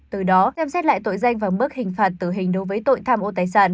từ đó xem xét lại tội danh và mức hình phạt tử hình đối với tội tham ô tài sản